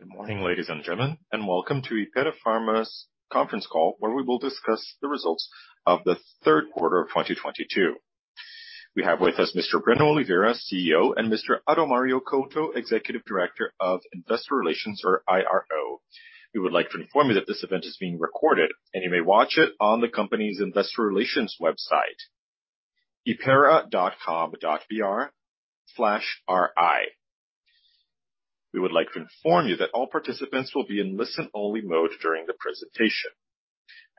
Good morning, ladies and gentlemen, and welcome to Hypera Pharma's conference call, where we will discuss the results of the third quarter of 2022. We have with us Mr. Breno Oliveira, CEO, and Mr. Adalmario Couto, Executive Director of Investor Relations, or IRO. We would like to inform you that this event is being recorded and you may watch it on the company's investor relations website, ri.hypera.com.br. We would like to inform you that all participants will be in listen-only mode during the presentation.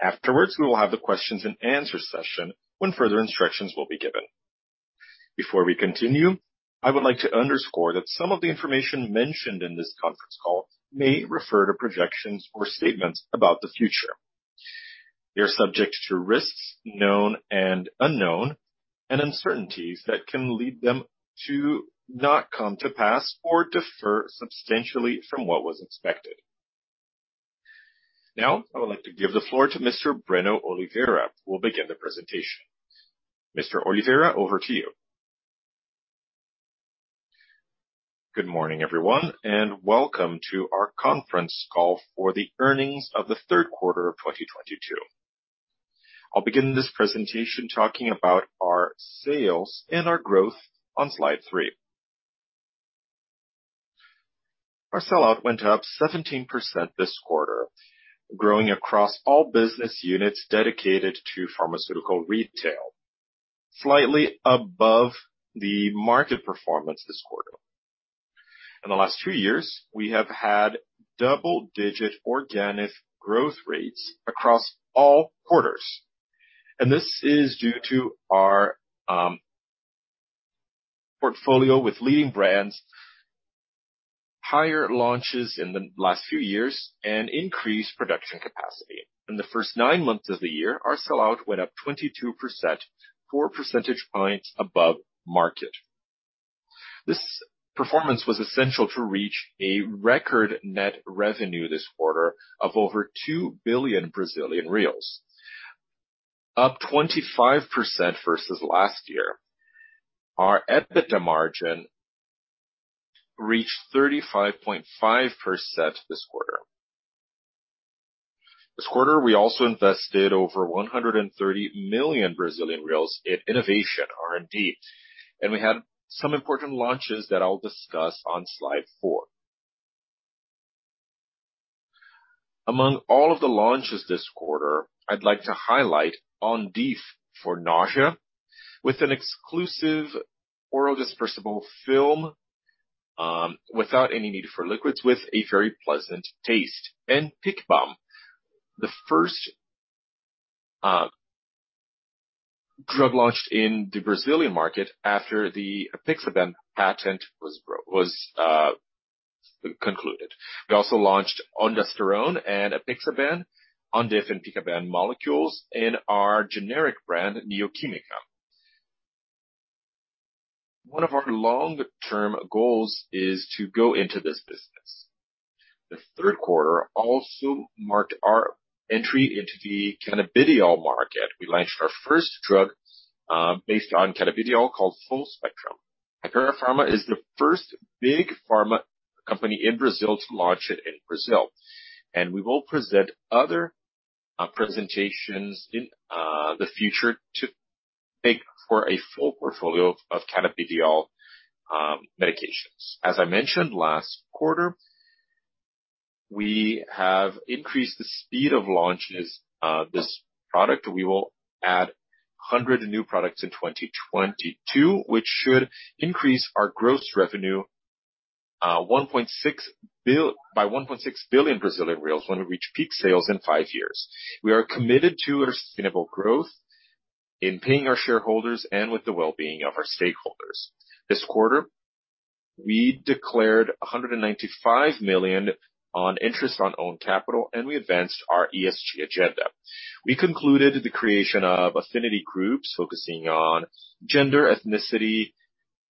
Afterwards, we will have the questions and answer session when further instructions will be given. Before we continue, I would like to underscore that some of the information mentioned in this conference call may refer to projections or statements about the future. They are subject to risks, known and unknown, and uncertainties that can lead them to not come to pass or differ substantially from what was expected. Now, I would like to give the floor to Mr. Breno Oliveira, who will begin the presentation. Mr. Oliveira, over to you. Good morning, everyone, and welcome to our conference call for the earnings of the third quarter of 2022. I'll begin this presentation talking about our sales and our growth on slide three. Our sellout went up 17% this quarter, growing across all business units dedicated to pharmaceutical retail, slightly above the market performance this quarter. In the last two years, we have had double-digit organic growth rates across all quarters, and this is due to our portfolio with leading brands, higher launches in the last few years and increased production capacity. In the first nine months of the year, our sellout went up 22%, 4 percentage points above market. This performance was essential to reach a record net revenue this quarter of over 2 billion Brazilian reais. Up 25% versus last year. Our EBITDA margin reached 35.5% this quarter. This quarter, we also invested over 130 million Brazilian reais in innovation R&D, and we had some important launches that I'll discuss on slide four. Among all of the launches this quarter, I'd like to highlight Ondif for nausea with an exclusive oral dispersible film, without any need for liquids with a very pleasant taste. Apixabana, the first drug launched in the Brazilian market after the Apixabana patent was concluded. We also launched ondansetron and Apixabana, Ondif and Apixabana molecules in our generic brand, Neo Química. One of our long-term goals is to go into this business. The third quarter also marked our entry into the cannabidiol market. We launched our first drug based on cannabidiol called Full Spectrum. Hypera Pharma is the first big pharma company in Brazil to launch it in Brazil, and we will present other presentations in the future to make for a full portfolio of cannabidiol medications. As I mentioned last quarter, we have increased the speed of launches of this product. We will add 100 new products in 2022, which should increase our gross revenue by 1.6 billion Brazilian reais when we reach peak sales in five years. We are committed to a sustainable growth in paying our shareholders and with the well-being of our stakeholders. This quarter, we declared 195 million on interest on own capital, and we advanced our ESG agenda. We concluded the creation of affinity groups focusing on gender, ethnicity,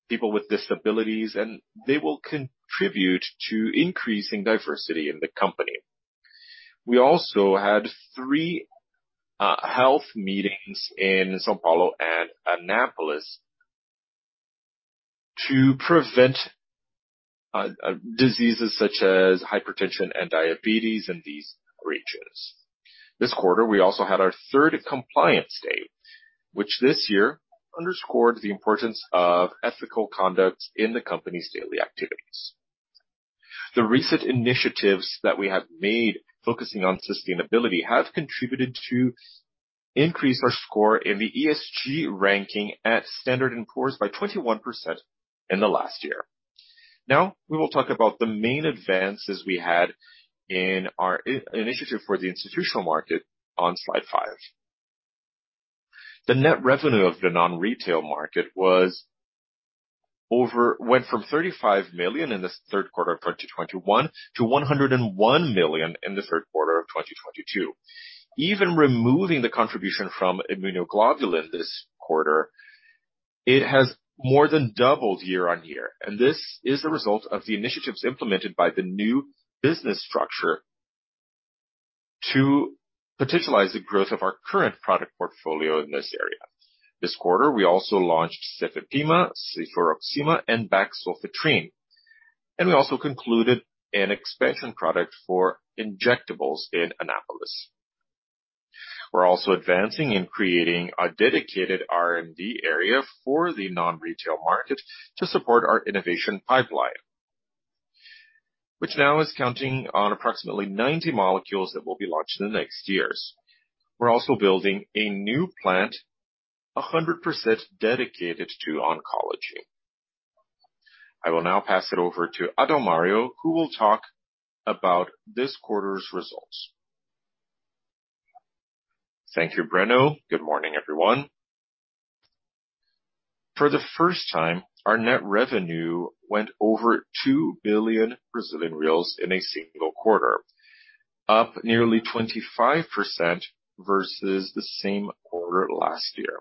people with disabilities, and they will contribute to increasing diversity in the company. We also had three health meetings in São Paulo and Anápolis to prevent diseases such as hypertension and diabetes in these regions. This quarter, we also had our third compliance date, which this year underscored the importance of ethical conduct in the company's daily activities. The recent initiatives that we have made focusing on sustainability have contributed to increase our score in the ESG ranking at Standard & Poor's by 21% in the last year. Now, we will talk about the main advances we had in our initiative for the institutional market on slide five. The net revenue of the non-retail market went from 35 million in the third quarter of 2021 to 101 million in the third quarter of 2022. Even removing the contribution from immunoglobulin this quarter, it has more than doubled year-on-year. This is the result of the initiatives implemented by the new business structure to potentialize the growth of our current product portfolio in this area. This quarter, we also launched Cefepima, Cefuroxima, and Bac-Sulfitrin. We also concluded an expansion project for injectables in Anápolis. We're also advancing in creating a dedicated R&D area for the non-retail market to support our innovation pipeline, which now is counting on approximately 90 molecules that will be launched in the next years. We're also building a new plant 100% dedicated to oncology. I will now pass it over to Adalmario Couto, who will talk about this quarter's results. Thank you, Breno. Good morning, everyone. For the first time, our net revenue went over 2 billion Brazilian reais in a single quarter, up nearly 25% versus the same quarter last year.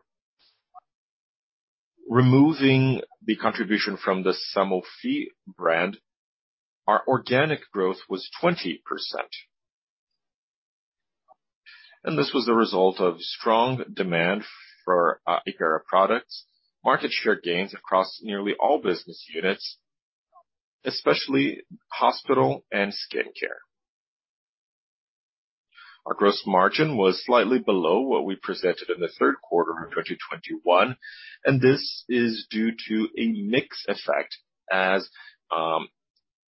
Removing the contribution from the Sanofi brand, our organic growth was 20%. This was a result of strong demand for Hypera products, market share gains across nearly all business units, especially hospital and skincare. Our gross margin was slightly below what we presented in the third quarter of 2021, and this is due to a mix effect as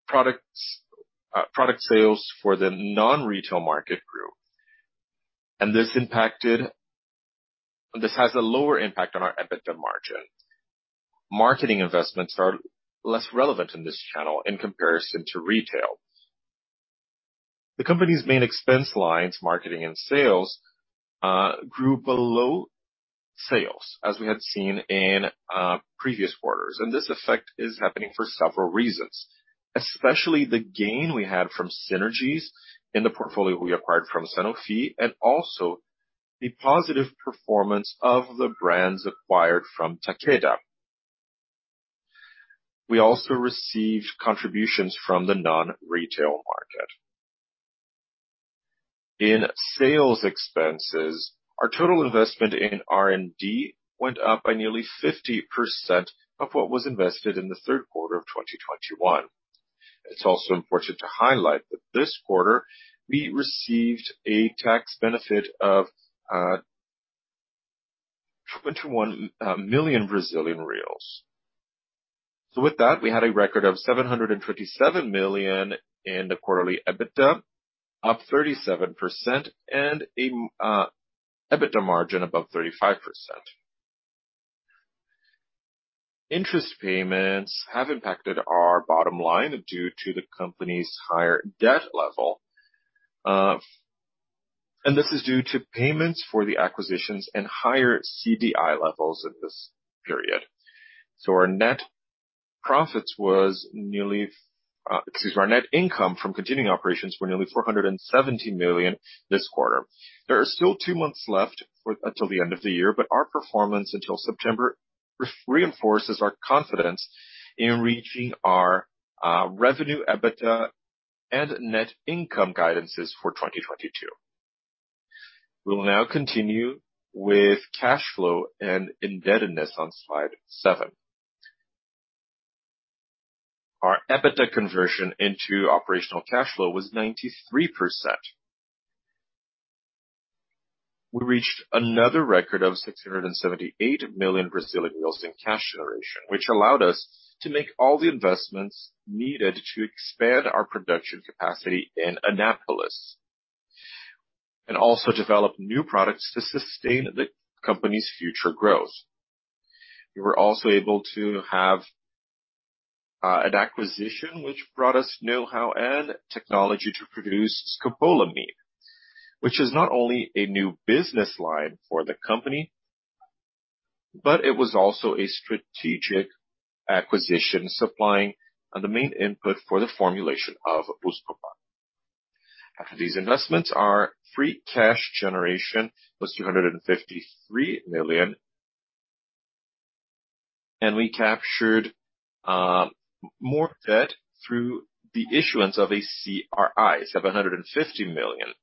product sales for the non-retail market group. This has a lower impact on our EBITDA margin. Marketing investments are less relevant in this channel in comparison to retail. The company's main expense lines, marketing and sales, grew below sales, as we had seen in previous quarters. This effect is happening for several reasons, especially the gain we had from synergies in the portfolio we acquired from Sanofi and also the positive performance of the brands acquired from Takeda. We also received contributions from the non-retail market. In sales expenses, our total investment in R&D went up by nearly 50% of what was invested in the third quarter of 2021. It's also important to highlight that this quarter we received a tax benefit of 21 million Brazilian reais. With that, we had a record of 727 million in the quarterly EBITDA, up 37% and a EBITDA margin above 35%. Interest payments have impacted our bottom line due to the company's higher debt level. This is due to payments for the acquisitions and higher CDI levels in this period. Our net profits was nearly, excuse me, our net income from continuing operations were nearly 470 million this quarter. There are still two months left until the end of the year, but our performance until September reinforces our confidence in reaching our, revenue, EBITDA, and net income guidances for 2022. We'll now continue with cash flow and indebtedness on slide seven. Our EBITDA conversion into operational cash flow was 93%. We reached another record of 678 million in cash generation, which allowed us to make all the investments needed to expand our production capacity in Anápolis and also develop new products to sustain the company's future growth. We were also able to have an acquisition which brought us know-how and technology to produce Scopolamine. Which is not only a new business line for the company, but it was also a strategic acquisition supplying one of the main inputs for the formulation of Buscopan. After these investments, our free cash generation was 253 million, and we captured more debt through the issuance of a CRI, 750 million.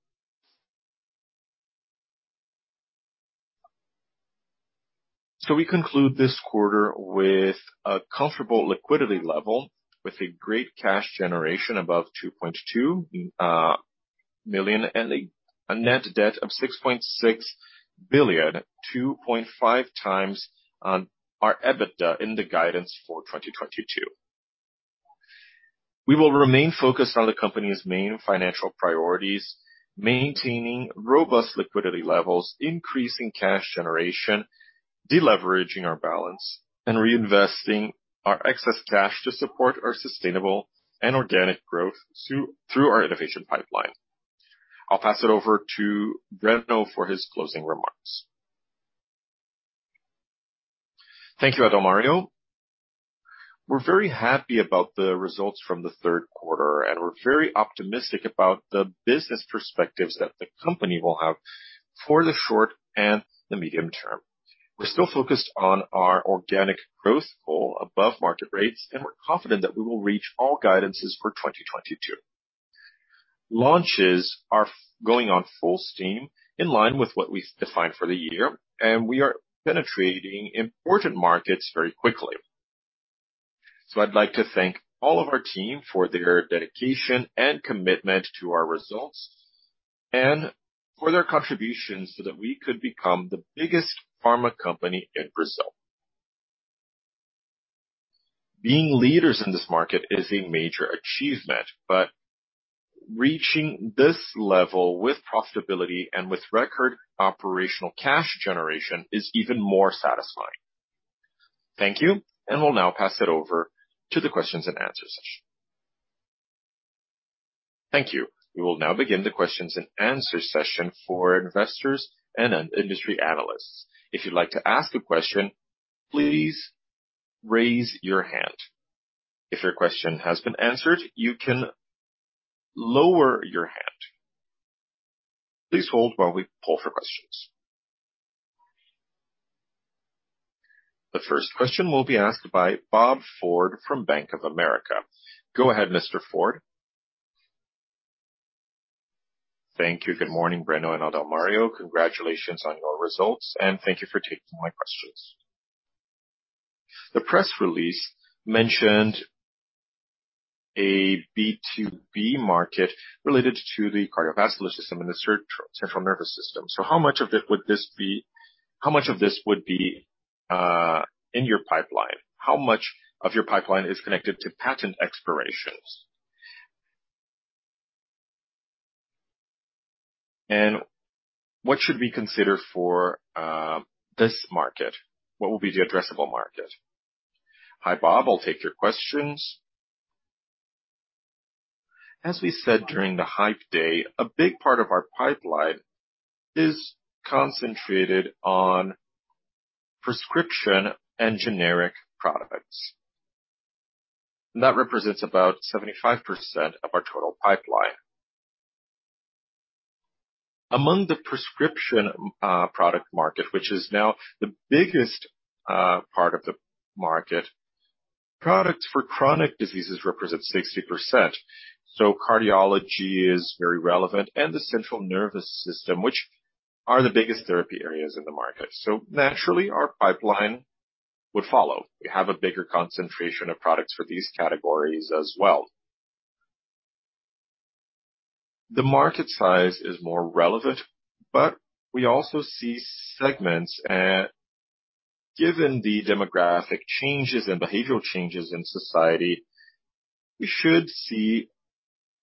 We conclude this quarter with a comfortable liquidity level, with a great cash generation above 2.2 million, and a net debt of 6.6 billion, 2.5x our EBITDA in the guidance for 2022. We will remain focused on the company's main financial priorities, maintaining robust liquidity levels, increasing cash generation, deleveraging our balance, and reinvesting our excess cash to support our sustainable and organic growth through our innovation pipeline. I'll pass it over to Breno for his closing remarks. Thank you, Adalmario. We're very happy about the results from the third quarter, and we're very optimistic about the business perspectives that the company will have for the short and the medium term. We're still focused on our organic growth goal above market rates, and we're confident that we will reach all guidances for 2022. Launches are going on full steam in line with what we've defined for the year, and we are penetrating important markets very quickly. I'd like to thank all of our team for their dedication and commitment to our results and for their contributions so that we could become the biggest pharma company in Brazil. Being leaders in this market is a major achievement, but reaching this level with profitability and with record operational cash generation is even more satisfying. Thank you. We'll now pass it over to the questions and answer session. Thank you. We will now begin the questions and answer session for investors and industry analysts. If you'd like to ask a question, please raise your hand. If your question has been answered, you can lower your hand. Please hold while we poll for questions. The first question will be asked by Bob Ford from Bank of America. Go ahead, Mr. Ford. Thank you. Good morning, Breno and Adalmario. Congratulations on your results, and thank you for taking my questions. The press release mentioned a B2B market related to the cardiovascular system and the central nervous system. How much of this would be in your pipeline? How much of your pipeline is connected to patent expirations? What should we consider for this market? What will be the addressable market? Hi, Bob. I'll take your questions. As we said during the Hypera Day, a big part of our pipeline is concentrated on prescription and generic products. That represents about 75% of our total pipeline. Among the prescription product market, which is now the biggest part of the market, products for chronic diseases represent 60%. Cardiology is very relevant, and the central nervous system, which are the biggest therapy areas in the market. Naturally, our pipeline would follow. We have a bigger concentration of products for these categories as well. The market size is more relevant, but we also see segments. Given the demographic changes and behavioral changes in society, we should see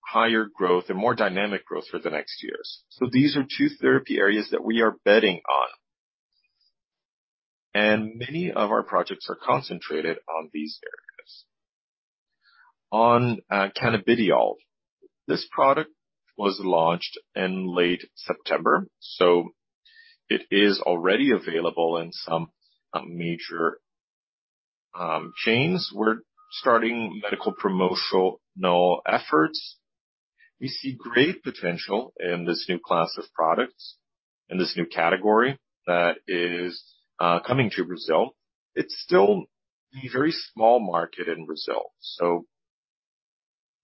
higher growth and more dynamic growth for the next years. These are two therapy areas that we are betting on, and many of our projects are concentrated on these areas. On cannabidiol. This product was launched in late September, so it is already available in some major chains. We're starting medical promotional efforts. We see great potential in this new class of products, in this new category that is coming to Brazil. It's still a very small market in Brazil.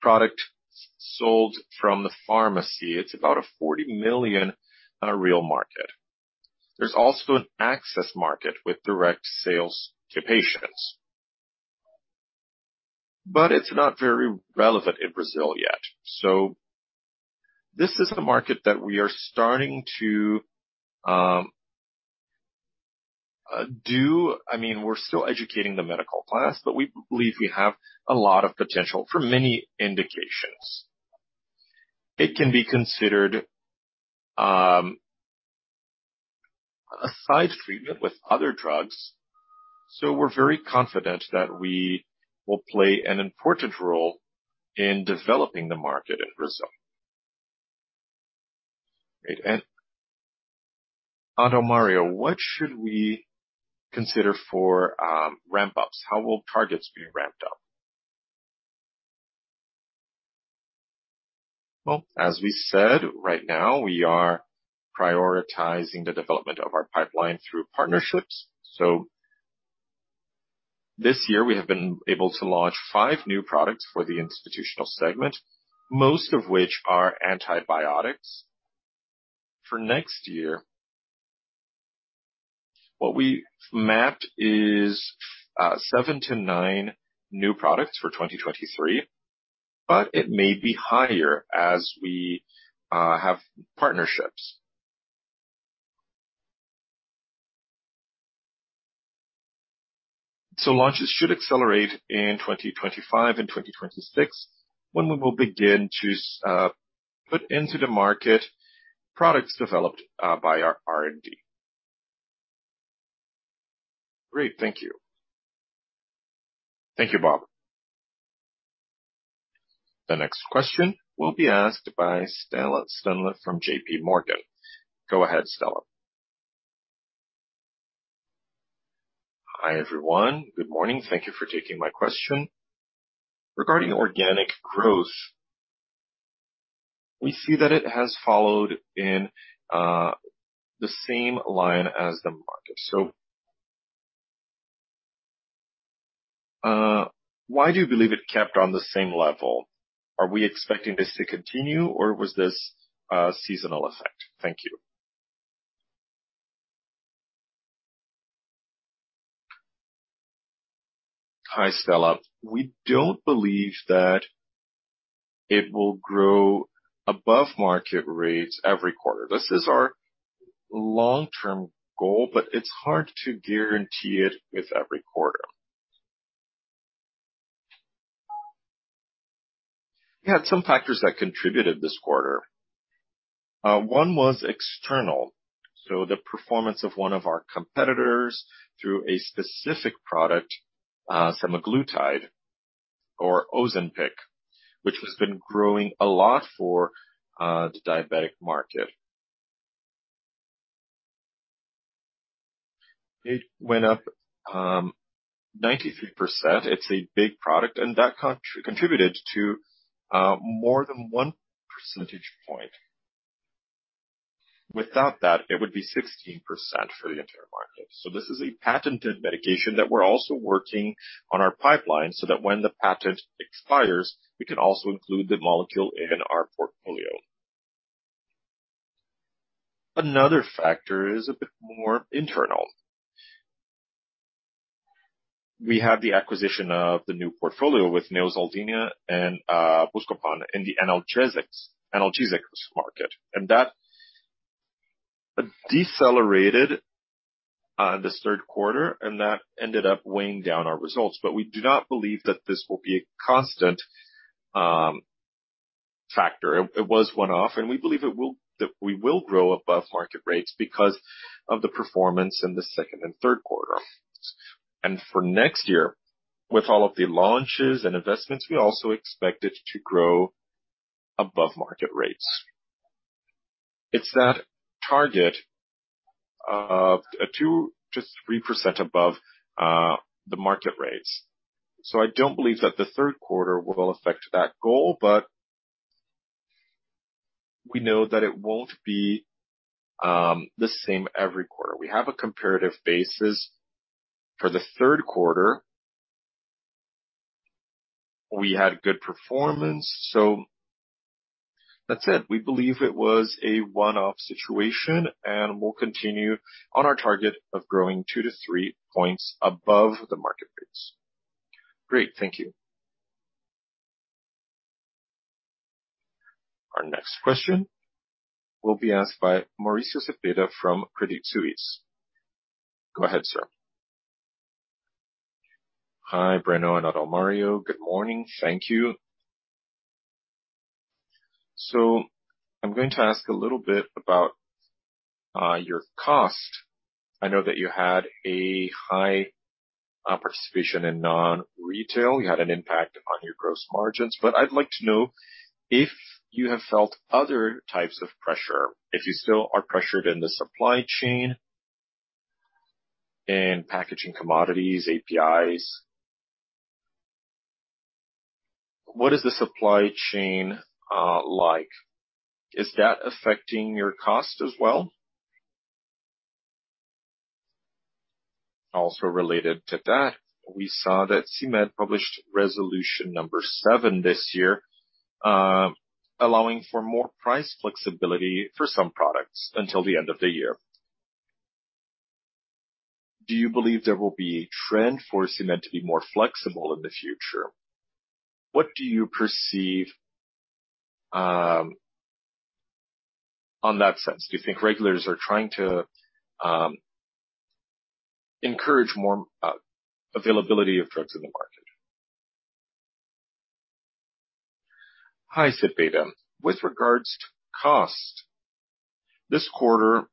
Product sold from the pharmacy, it's about a 40 million real market. There's also an access market with direct sales to patients, but it's not very relevant in Brazil yet. This is a market that we are starting to do. I mean, we're still educating the medical class, but we believe we have a lot of potential for many indications. It can be considered a side treatment with other drugs. We're very confident that we will play an important role in developing the market in Brazil. Great. Adalmario, what should we consider for ramp ups? How will targets be ramped up? Well, as we said, right now we are prioritizing the development of our pipeline through partnerships. This year we have been able to launch five new products for the institutional segment, most of which are antibiotics. For next year, what we mapped is, seven to nine new products for 2023, but it may be higher as we have partnerships. Launches should accelerate in 2025 and 2026, when we will begin to put into the market products developed by our R&D. Great. Thank you. Thank you, Bob. The next question will be asked by Joseph Giordano from J.P. Morgan. Go ahead, Joseph. Hi, everyone. Good morning. Thank you for taking my question. Regarding organic growth. We see that it has followed in the same line as the market. Why do you believe it kept on the same level? Are we expecting this to continue, or was this a seasonal effect? Thank you. Hi, Joseph. We don't believe that it will grow above market rates every quarter. This is our long-term goal, but it's hard to guarantee it with every quarter. We had some factors that contributed this quarter. One was external. The performance of one of our competitors through a specific product, Semaglutide or Ozempic, which has been growing a lot for the diabetic market. It went up 93%. It's a big product, and that contributed to more than one percentage point. Without that, it would be 16% for the entire market. This is a patented medication that we're also working on our pipeline so that when the patent expires, we can also include the molecule in our portfolio. Another factor is a bit more internal. We have the acquisition of the new portfolio with Neosaldina and Buscopan in the analgesics market, and that decelerated this third quarter, and that ended up weighing down our results. We do not believe that this will be a constant factor. It was one-off, and we believe it will grow above market rates because of the performance in the second and third quarter. For next year, with all of the launches and investments, we also expect it to grow above market rates. It's that target of 2%-3% above the market rates. I don't believe that the third quarter will affect that goal, but we know that it won't be the same every quarter. We have a comparative basis. For the third quarter, we had good performance. That's it. We believe it was a one-off situation, and we'll continue on our target of growing 2%-3% above the market rates. Great. Thank you. Our next question will be asked by Mauricio Cepeda from Credit Suisse. Go ahead, sir. Hi, Breno and Adalmario. Good morning. Thank you. So I'm going to ask a little bit about your cost. I know that you had a high participation in non-retail. You had an impact on your gross margins, but I'd like to know if you have felt other types of pressure, if you still are pressured in the supply chain and packaging commodities, APIs. What is the supply chain like? Is that affecting your cost as well? Also related to that, we saw that CMED published resolution number seven this year, allowing for more price flexibility for some products until the end of the year. Do you believe there will be a trend for CMED to be more flexible in the future? What do you perceive on that sense? Do you think regulators are trying to encourage more availability of drugs in the market? Hi, Cepeda. With regards to cost, this quarter,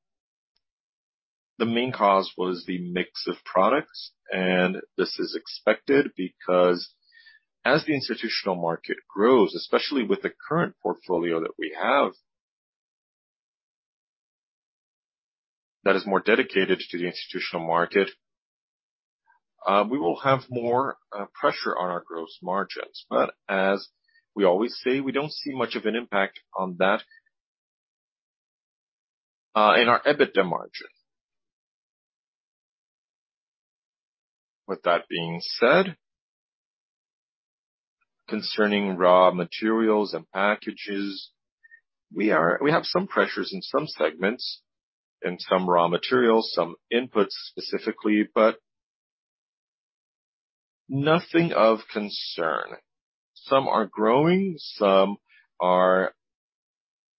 the main cause was the mix of products. This is expected because as the institutional market grows, especially with the current portfolio that we have, that is more dedicated to the institutional market, we will have more pressure on our gross margins. But as we always say, we don't see much of an impact on that in our EBITDA margin. With that being said, concerning raw materials and packages, we have some pressures in some segments and some raw materials, some inputs specifically, but nothing of concern. Some are growing, some are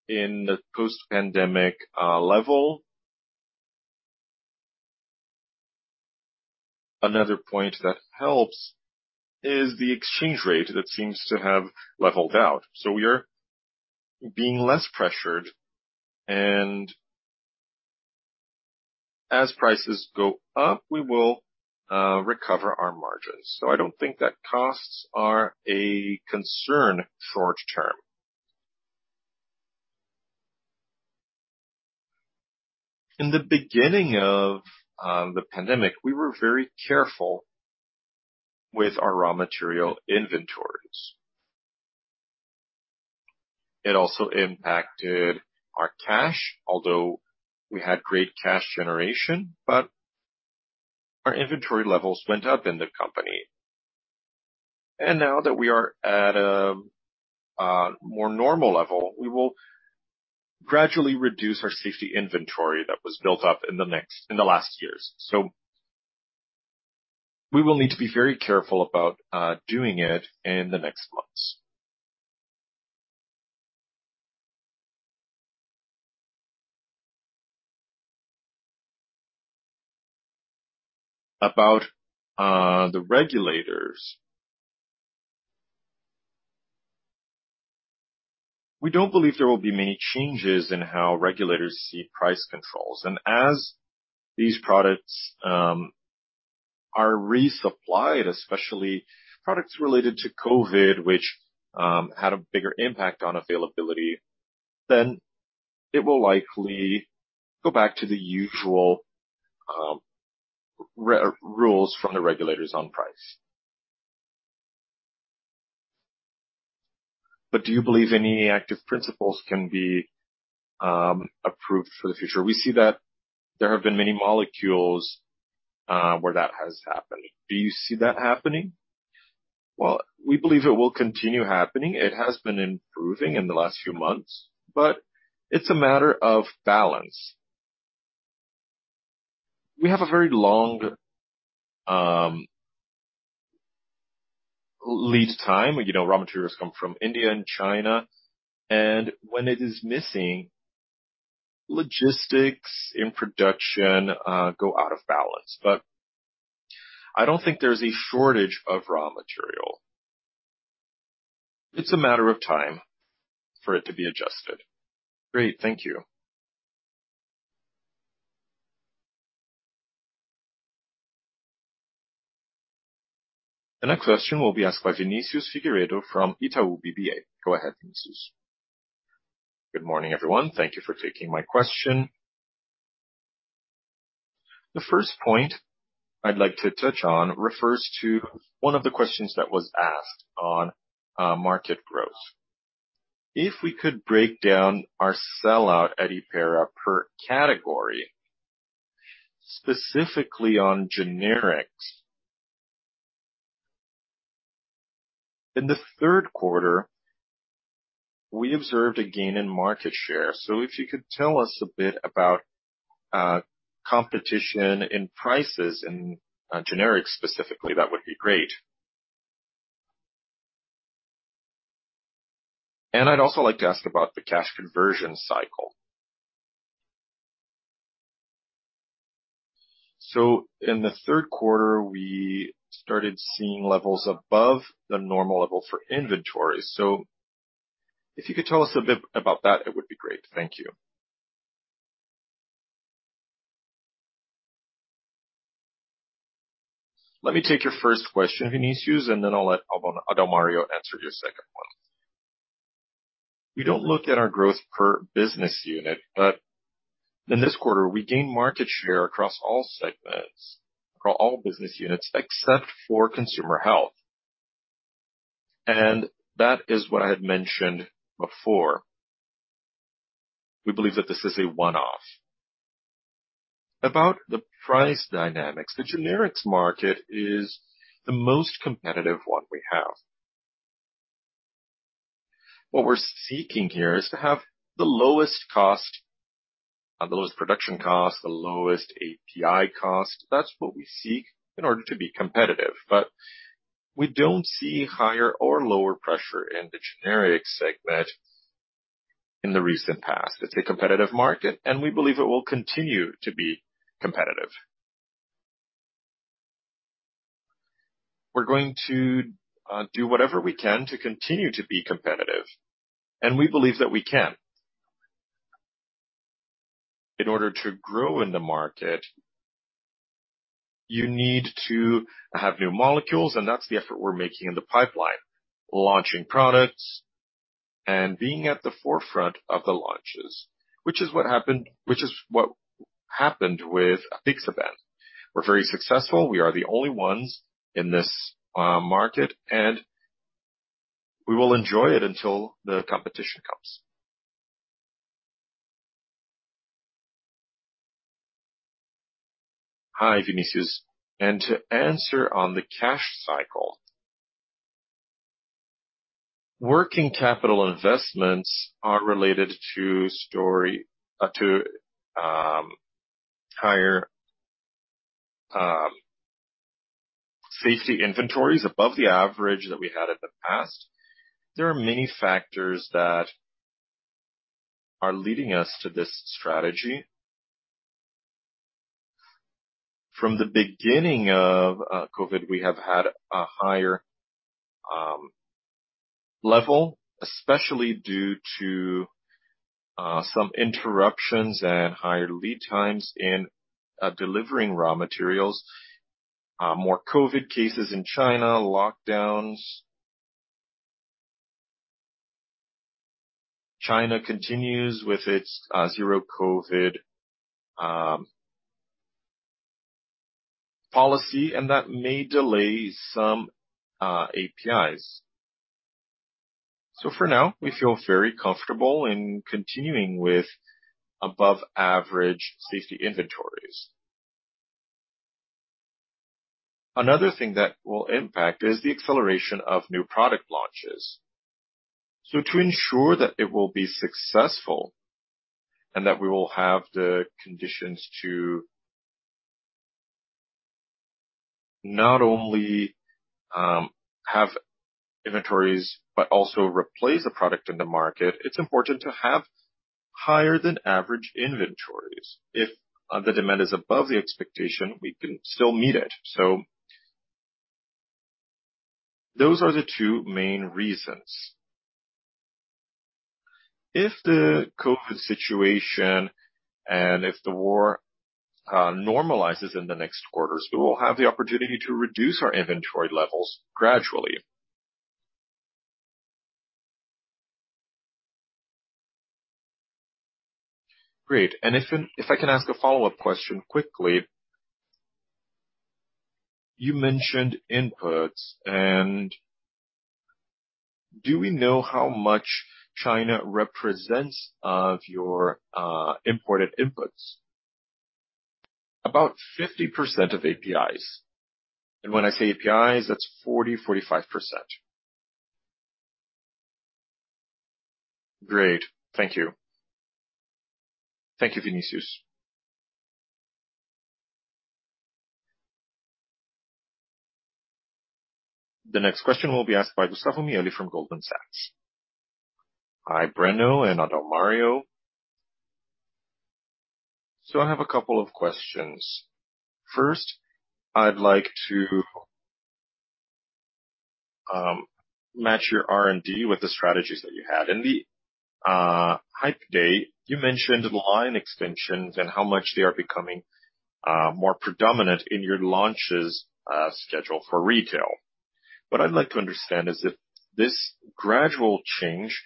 in the post-pandemic level. Another point that helps is the exchange rate that seems to have leveled out. We are being less pressured, and as prices go up, we will recover our margins. I don't think that costs are a concern short term. In the beginning of the pandemic, we were very careful with our raw material inventories. It also impacted our cash, although we had great cash generation, but our inventory levels went up in the company. Now that we are at a more normal level, we will gradually reduce our safety inventory that was built up in the last years. We will need to be very careful about doing it in the next months. About the regulators. We don't believe there will be many changes in how regulators see price controls. As these products are resupplied, especially products related to COVID, which had a bigger impact on availability, then it will likely go back to the usual rules from the regulators on price. Do you believe any active principles can be approved for the future? We see that there have been many molecules where that has happened. Do you see that happening? Well, we believe it will continue happening. It has been improving in the last few months, but it's a matter of balance. We have a very long lead time. You know, raw materials come from India and China, and when it is missing, logistics and production go out of balance. I don't think there's a shortage of raw material. It's a matter of time for it to be adjusted. Great. Thank you. The next question will be asked by Vinicius Figueiredo from Itaú BBA. Go ahead, Vinicius. Good morning, everyone. Thank you for taking my question. The first point I'd like to touch on refers to one of the questions that was asked on market growth. If we could break down our sellout at Hypera per category, specifically on generics. In the third quarter, we observed a gain in market share. If you could tell us a bit about competition in prices in generics specifically, that would be great. I'd also like to ask about the cash conversion cycle. In the third quarter, we started seeing levels above the normal level for inventories. If you could tell us a bit about that, it would be great. Thank you. Let me take your first question, Vinicius, and then I'll let Adalmario answer your second one. We don't look at our growth per business unit, but in this quarter we gained market share across all segments, across all business units, except for Consumer Health. That is what I had mentioned before. We believe that this is a one-off. About the price dynamics, the generics market is the most competitive one we have. What we're seeking here is to have the lowest cost, the lowest production cost, the lowest API cost. That's what we seek in order to be competitive. But we don't see higher or lower pressure in the generics segment in the recent past. It's a competitive market, and we believe it will continue to be competitive. We're going to do whatever we can to continue to be competitive, and we believe that we can. In order to grow in the market, you need to have new molecules, and that's the effort we're making in the pipeline. Launching products and being at the forefront of the launches, which is what happened with Apixabana. We're very successful. We are the only ones in this market, and we will enjoy it until the competition comes. Hi, Vinicius. To answer on the cash cycle. Working capital investments are related to higher safety inventories above the average that we had in the past. There are many factors that are leading us to this strategy. From the beginning of COVID, we have had a higher level, especially due to some interruptions and higher lead times in delivering raw materials, more COVID cases in China, lockdowns. China continues with its zero COVID policy, and that may delay some APIs. For now, we feel very comfortable in continuing with above average safety inventories. Another thing that will impact is the acceleration of new product launches. To ensure that it will be successful and that we will have the conditions to not only have inventories, but also replace a product in the market, it's important to have higher than average inventories. If the demand is above the expectation, we can still meet it. Those are the two main reasons. If the COVID situation and if the war normalizes in the next quarters, we will have the opportunity to reduce our inventory levels gradually. Great. If I can ask a follow-up question quickly. You mentioned inputs, and do we know how much China represents of your imported inputs? About 50% of APIs. When I say APIs, that's 45%. Great. Thank you. Thank you, Vinicius. The next question will be asked by Gustavo Miele from Goldman Sachs. Hi, Breno, and hello, Adalmario. I have a couple of questions. First, I'd like to match your R&D with the strategies that you had. In the Hypera Day, you mentioned line extensions and how much they are becoming more predominant in your launches schedule for retail. What I'd like to understand is if this gradual change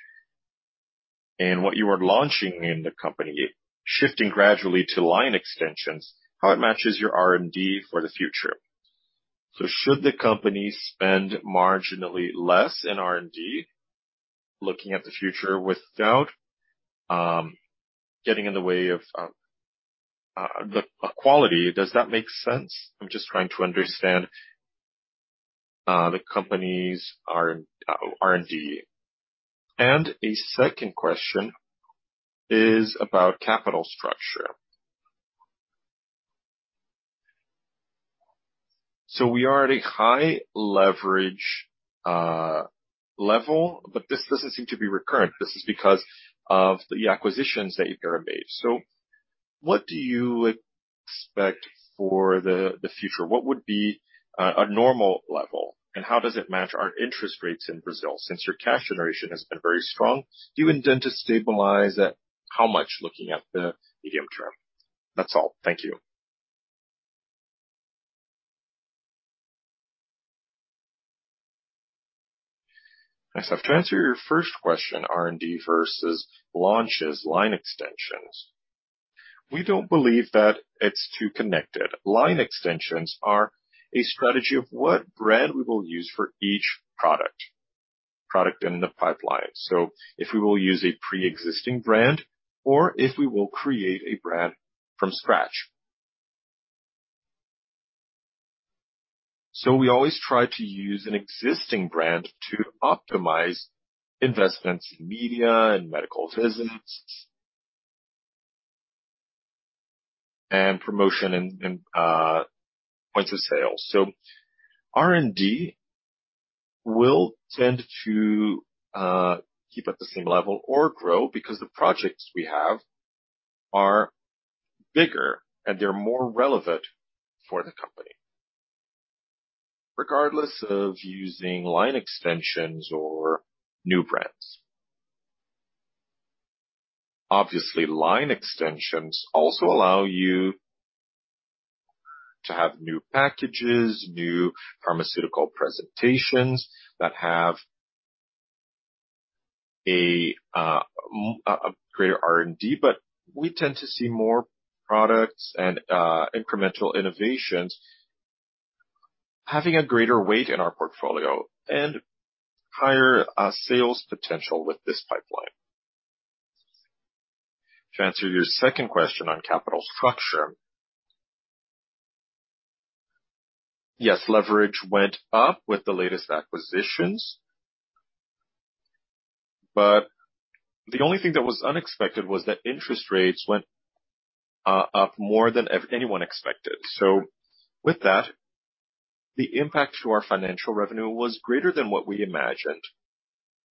and what you are launching in the company, shifting gradually to line extensions, how it matches your R&D for the future. Should the company spend marginally less in R&D, looking at the future without getting in the way of the quality? Does that make sense? I'm just trying to understand the company's R&D. A second question is about capital structure. We are at a high leverage level, but this doesn't seem to be recurrent. This is because of the acquisitions that you've made. What do you expect for the future? What would be a normal level, and how does it match our interest rates in Brazil? Since your cash generation has been very strong, do you intend to stabilize at how much looking at the medium term? That's all. Thank you. Yes. To answer your first question, R&D versus launches line extensions, we don't believe that it's too connected. Line extensions are a strategy of what brand we will use for each product in the pipeline. If we will use a pre-existing brand or if we will create a brand from scratch. We always try to use an existing brand to optimize investments in media and medical visits and promotion and points of sale. R&D will tend to keep at the same level or grow because the projects we have are bigger and they're more relevant for the company, regardless of using line extensions or new brands. Obviously, line extensions also allow you to have new packages, new pharmaceutical presentations that have a greater R&D, but we tend to see more products and incremental innovations having a greater weight in our portfolio and higher sales potential with this pipeline. To answer your second question on capital structure. Yes, leverage went up with the latest acquisitions, but the only thing that was unexpected was that interest rates went up more than anyone expected. With that, the impact to our financial revenue was greater than what we imagined,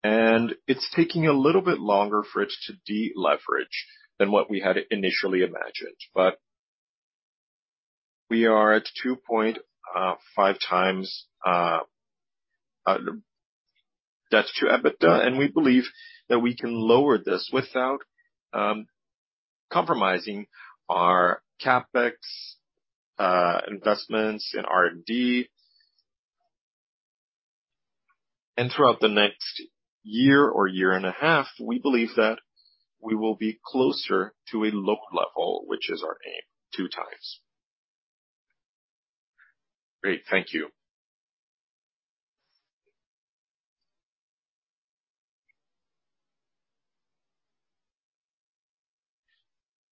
and it's taking a little bit longer for it to deleverage than what we had initially imagined. We are at 2.5x debt to EBITDA, and we believe that we can lower this without compromising our CapEx investments in R&D. Throughout the next year or year and a half, we believe that we will be closer to a low level, which is our aim, 2x. Great. Thank you.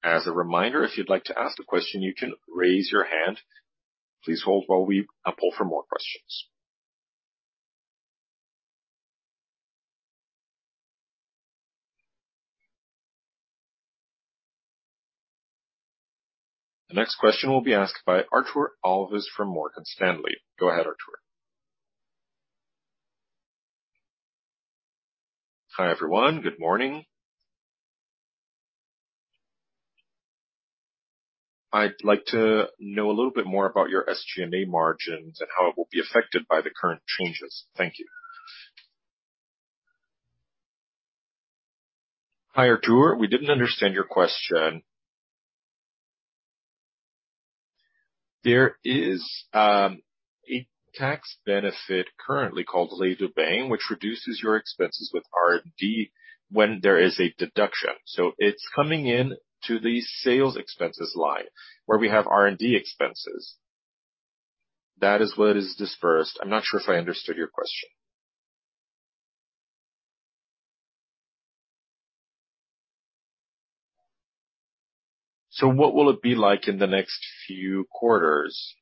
As a reminder, if you'd like to ask a question, you can raise your hand. Please hold while we poll for more questions. The next question will be asked by Artur Alves from Morgan Stanley. Go ahead, Artur. Hi, everyone. Good morning. I'd like to know a little bit more about your SG&A margins and how it will be affected by the current changes. Thank you. Hi, Artur. We didn't understand your question. There is a tax benefit currently called which reduces your expenses with R&D when there is a deduction. It's coming in to the sales expenses line where we have R&D expenses. That is what is dispersed. I'm not sure if I understood your question. What will it be like in the next few quarters?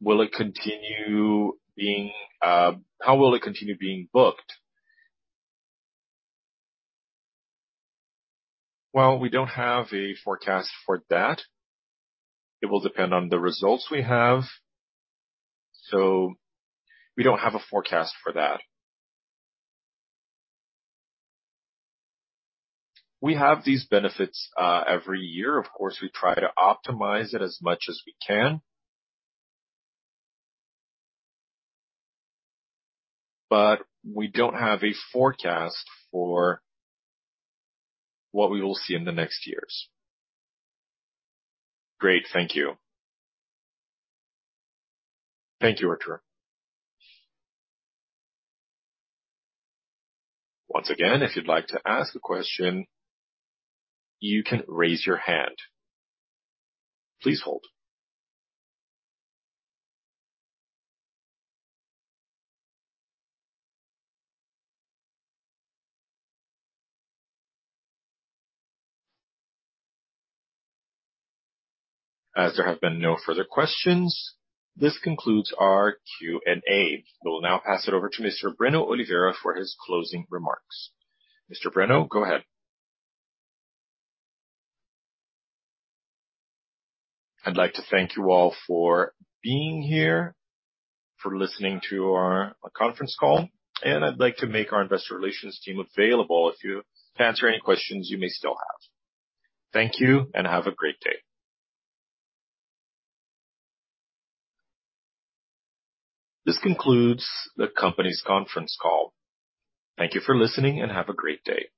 Will it continue being? How will it continue being booked? We don't have a forecast for that. It will depend on the results we have, so we don't have a forecast for that. We have these benefits every year. Of course, we try to optimize it as much as we can. We don't have a forecast for what we will see in the next years. Great. Thank you. Thank you, Artur Alves. Once again, if you'd like to ask a question, you can raise your hand. Please hold. As there have been no further questions, this concludes our Q and A. We will now pass it over to Mr. Breno Oliveira for his closing remarks. Mr. Breno, go ahead. I'd like to thank you all for being here, for listening to our conference call, and I'd like to make our investor relations team available to answer any questions you may still have. Thank you, and have a great day. This concludes the company's conference call. Thank you for listening, and have a great day.